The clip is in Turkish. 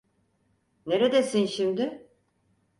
Neredesin şimdi?